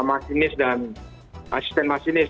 masinis dan asisten masinis